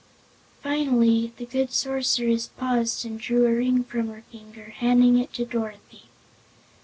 Finally the good Sorceress paused and drew a ring from her finger, handing it to Dorothy.